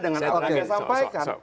dengan alat yang saya sampaikan